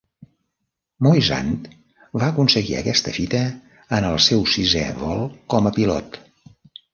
Moisant va aconseguir aquesta fita en el seu sisè vol com a pilot.